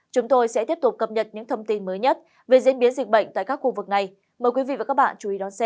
chúng tôi sẽ tiếp tục cập nhật những thông tin mới nhất về diễn biến dịch bệnh tại các khu vực này mời quý vị và các bạn chú ý đón xem